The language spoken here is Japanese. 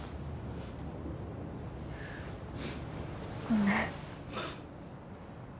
ごめん。